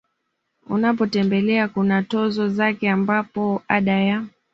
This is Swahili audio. unapotembelea kuna tozo zake ambapo Ada ya